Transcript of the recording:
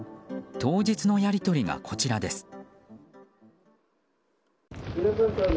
当日のやり取りがこちらです。